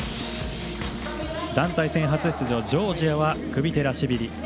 団体戦初出場、ジョージアはクヴィテラシヴィリ。